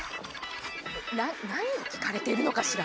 な何を聞かれてるのかしら？